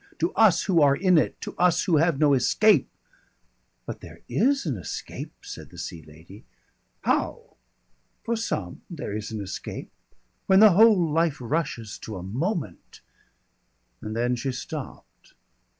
to us who are in it, to us who have no escape." "But there is an escape," said the Sea Lady. "How?" "For some there is an escape. When the whole life rushes to a moment " And then she stopped.